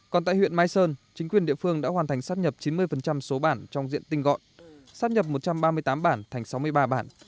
còn tại huyện mai sơn chính quyền địa phương đã hoàn thành sáp nhập chín mươi số bản trong diện tinh gọi sáp nhập một trăm ba mươi tám bản thành sáu mươi ba bản